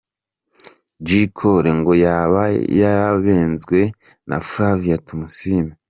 J Cole ngo yaba yarabenzwe na Flavia Tumusiime.